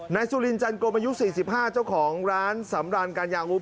นายซูลินจันโกมายุ๔๕เจ้าของร้านสำราญการยาวรูป